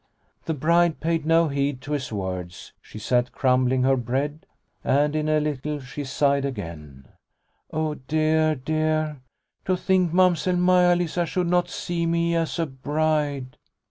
The bride paid no heed to his words. She sat crumbling her bread, and in a little she sighed again : "Oh dear, dear, to think Mamsell Maia Lisa should not see me as a bride